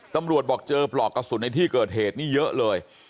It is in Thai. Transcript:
ตำรวจบอกเจอปลอกกระสุนในที่เกิดเหตุนี่เยอะเลย